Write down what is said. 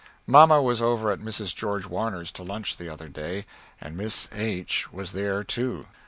Mamma was over at Mrs. George Warners to lunch the other day, and Miss H was there too.